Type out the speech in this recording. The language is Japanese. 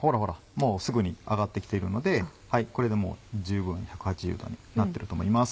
もうすぐにあがって来ているのでこれで十分１８０℃になっていると思います。